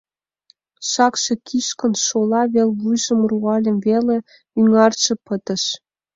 — Шакше кишкын шола вел вуйжым руальым веле, ӱнарже пытыш.